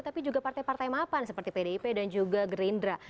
tapi juga partai partai mapan seperti pdip dan juga gerindra